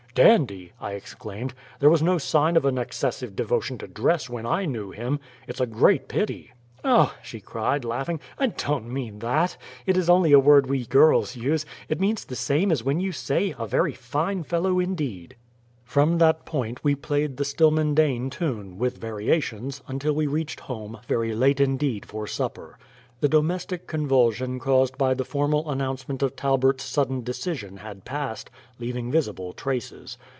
"Dandy!" I exclaimed. "There was no sign of an excessive devotion to dress when I knew him. It's a great pity!" "Oh!" she cried, laughing, "I don't mean THAT. It is only a word we girls use; it means the same as when you say, 'A VERY FINE FELLOW INDEED."' From that point we played the Stillman Dane tune, with variations, until we reached home, very late indeed for supper. The domestic convulsion caused by the formal announcement of Talbert's sudden decision had passed, leaving visible traces.